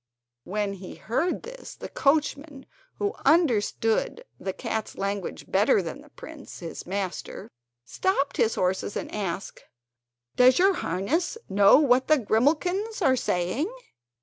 When he heard this the coachman, who understood the cat's language better than the prince, his master, stopped his horses and asked: "Does your highness know what the grimalkins are saying?"